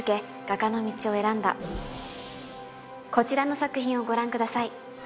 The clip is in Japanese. こちらの作品をご覧ください